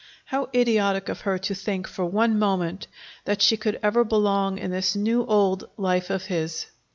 How idiotic of her to think, for one moment, that she could ever belong in this new old life of his!